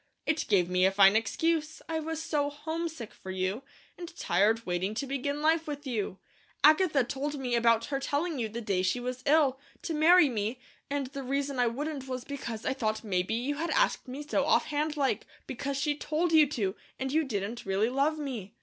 "It gave me a fine excuse. I was so homesick for you, and tired waiting to begin life with you. Agatha told me about her telling you the day she was ill, to marry me; and the reason I wouldn't was because I thought maybe you asked me so offhandlike, because she TOLD you to, and you didn't really love me.